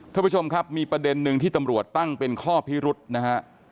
ท่านผู้ชมครับมีประเด็นหนึ่งที่ตำรวจตั้งเป็นข้อพิรุษนะฮะ